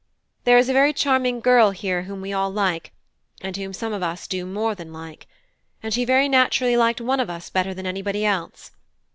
There is a very charming girl here whom we all like, and whom some of us do more than like; and she very naturally liked one of us better than anybody else.